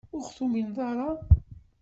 Ur ɣ-tumineḍ ara?